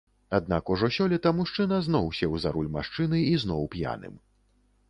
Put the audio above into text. Аднак ужо сёлета мужчына зноў сеў за руль машыны і зноў п'яным.